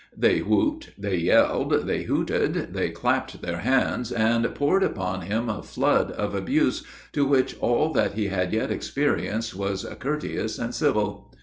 They whooped, they yelled, they hooted, they clapped their hands, and poured upon him a flood of abuse, to which all that he had yet experienced was courteous and civil.